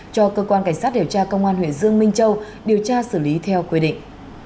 cho cơ quan cảnh sát điều tra công an huyện dương minh châu điều tra xử lý theo quy định